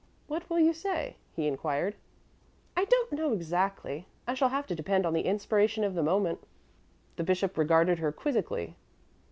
"What will you say?" he inquired. "I don't know, exactly; I shall have to depend on the inspiration of the moment." The bishop regarded her quizzically.